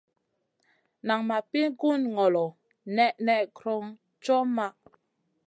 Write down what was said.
Nan ma pi gun ŋolo nèʼnèʼ kron co maʼa.